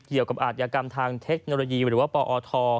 เกี่ยวกับอาทยากรรมทางเทคโนโลยีหรือว่าปอท